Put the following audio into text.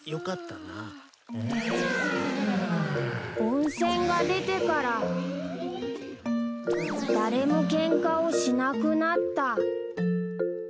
［温泉が出てから誰もケンカをしなくなった］